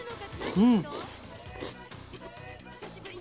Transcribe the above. うん。